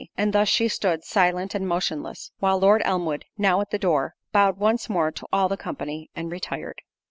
And thus she stood, silent and motionless, while Lord Elmwood, now at the door, bowed once more to all the company, and retired.